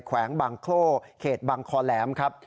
แขวงบางโคร่เขตบางคอแหลมครับ